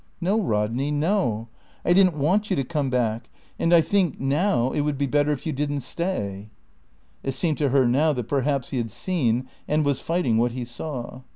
"No, Rodney, no. I didn't want you to come back. And I think now it would be better if you didn't stay." It seemed to her now that perhaps he had seen and was fighting what he saw.